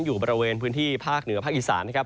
อยู่บริเวณพื้นที่ภาคเหนือภาคอีสานนะครับ